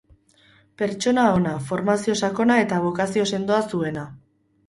Pertsona ona, formazio sakona eta bokazio sendoa zuena.